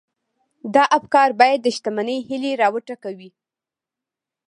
دا افکار بايد د شتمنۍ هيلې را وټوکوي.